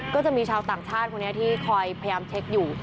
ก็จะมีชาวต่างชาติคนนี้ที่คอยพยายามเช็คอยู่